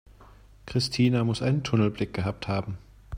Christina muss einen Tunnelblick gehabt haben.